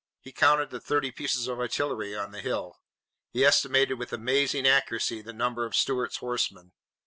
He counted the thirty pieces of artillery on the hill. He estimated with amazing accuracy the number of Stuart's horsemen.